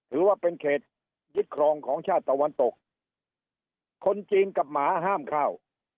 ถือว่าเป็นเขตยึดครองของชาติตะวันตกคนจีนกับหมาห้ามเข้า